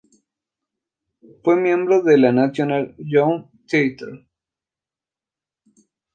Fue miembro del National Youth Theatre.